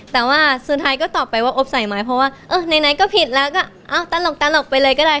แต่ว่าสุดท้ายก็ตอบไปว่าอบใส่ไหมเพราะว่าไหนก็ผิดแล้วก็ตลกไปเลยก็ได้